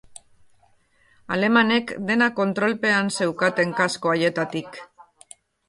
Alemanek dena kontrolpean zeukaten kasko haietatik.